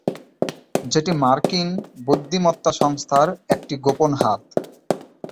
যেটি মার্কিন বুদ্ধিমত্তা সংস্থার একটি গোপন হাত।